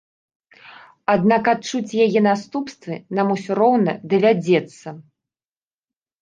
Аднак адчуць яе наступствы нам усё роўна давядзецца.